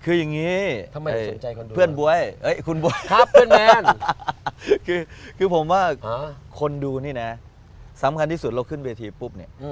คือยังงี้เพื่อนบ๊วยคือผมว่าคนดูนี่นะสำคัญที่สุดเราขึ้นเวทีปุ๊บเนี่ย